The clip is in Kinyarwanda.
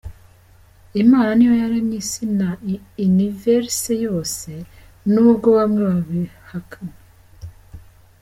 Imana niyo yaremye isi na Universe yose, nubwo bamwe babihakana.